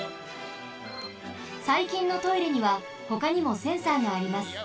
さいきんのトイレにはほかにもセンサーがあります。